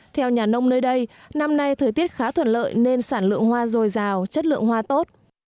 theo nhà nông nơi đây năm nay thời tiết khá thuận lợi nên sản lượng hoa dồi dào chất lượng hoa tốt